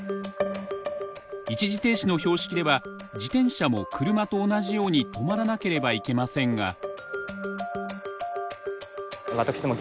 一時停止の標識では自転車も車と同じように止まらなければいけませんが。